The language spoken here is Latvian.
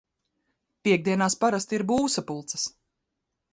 Piektdienās parasti ir būvsapulces.